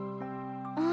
あ。